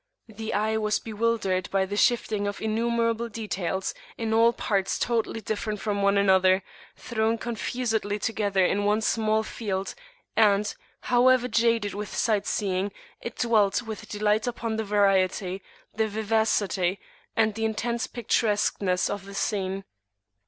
The eye was bewildered by the shifting of innumerable details, in all parts totally different from one another, thrown confusedly together in one small field; and, however jaded with sight seeing, it dwelt with delight upon the variety, the vivacity, and the intense picturesqueness of the scene.